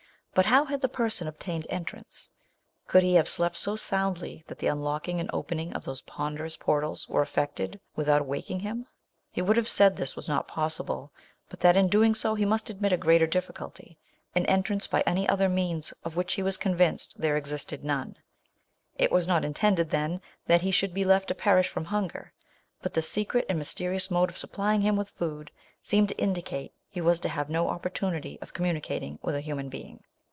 Hut how had the person obtained entrance '.( mild lie have slept H) Hoimdly, tliat the unlocking ana opening of tbonponderottt por tals won; effected without waking him • Ho would have said this waa Dot possible, but that in doing so, IIP must admit a greater difficulty, an entrance by other means, of which he was convinced there existed none. It was not intended, then, that he should be left to perish from hunger. But the secret and mysterious mode of supplying him with food, seemed to indicate he was to have no oppor tunity of communicating with a hu man being.